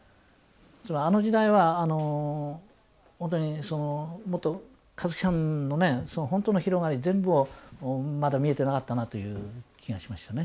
あの時代は本当にもっと香月さんのね本当の広がり全部をまだ見えてなかったなという気がしましたね。